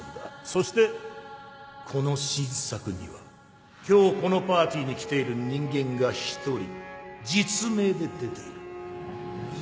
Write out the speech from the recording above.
そしてこの新作には今日このパーティーに来ている人間が１人実名で出ている。